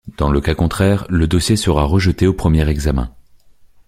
Dans le cas contraire, le dossier sera rejeté au premier examen.